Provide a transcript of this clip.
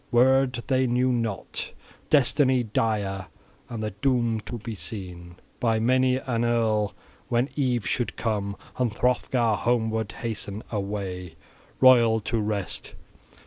Wyrd they knew not, destiny dire, and the doom to be seen by many an earl when eve should come, and Hrothgar homeward hasten away, royal, to rest.